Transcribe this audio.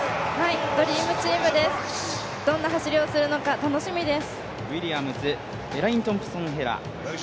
ドリームチームです、どんな走りをするのか楽しみです。